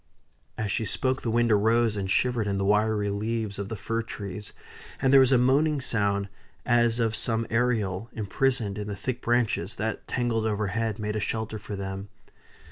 As she spoke the wind arose and shivered in the wiry leaves of the fir trees, and there was a moaning sound as of some Ariel imprisoned in the thick branches that, tangled overhead, made a shelter for them.